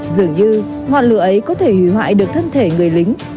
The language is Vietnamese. dường như ngọn lửa ấy có thể hủy hoại được thân thể người lính